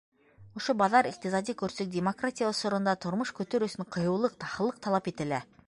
Ошо баҙар, иҡтисади көрсөк, демократия осоронда тормош көтөр өсөн ҡыйыулыҡ, таһыллыҡ талап ителә.